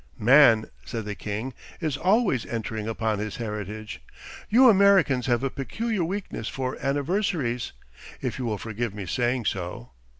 'Man,' said the king, 'is always entering upon his heritage. You Americans have a peculiar weakness for anniversaries—if you will forgive me saying so.